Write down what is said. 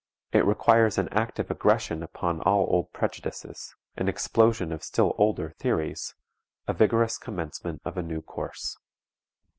It requires an active aggression upon all old prejudices; an explosion of still older theories; a vigorous commencement of a new course.